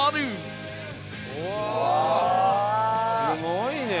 すごいね。